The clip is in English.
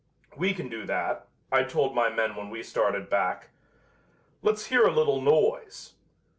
'We can do that,' I told my men when we started back. 'Let's hear a little noise.'